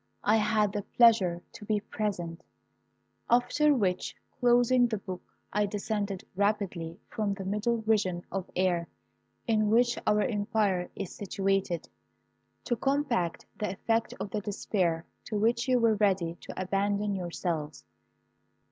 I had the pleasure to be present, after which, closing the book, I descended rapidly from the middle region of air in which our empire is situated, to combat the effect of the despair to which you were ready to abandon yourselves.